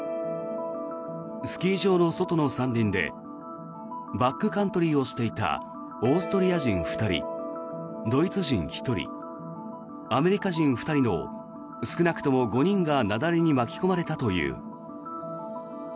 スキー場の外の山林でバックカントリーをしていたオーストリア人２人ドイツ人１人、アメリカ人２人の少なくとも５人が雪崩に巻き込まれたという。